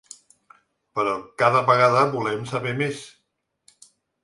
Però cada vegada volem saber més.